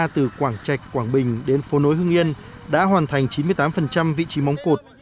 từ quảng trạch quảng bình đến phố nối hưng yên đã hoàn thành chín mươi tám vị trí móng cột